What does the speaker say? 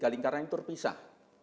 tiga lingkaran itu terpisah